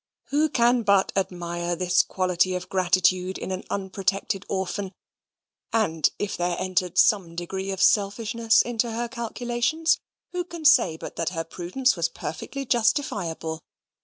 Who can but admire this quality of gratitude in an unprotected orphan; and, if there entered some degree of selfishness into her calculations, who can say but that her prudence was perfectly justifiable?